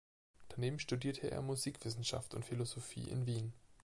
Daneben studierte er Musikwissenschaft und Philosophie in Wien.